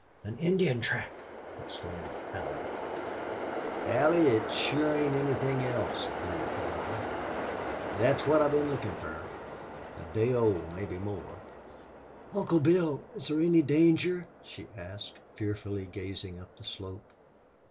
"An Indian track!" exclaimed Allie. "Allie, it sure ain't anythin' else," he replied. "Thet is what I've been lookin' fer.... A day old mebbe more." "Uncle Bill, is there any danger?" she asked, fearfully gazing up the slope.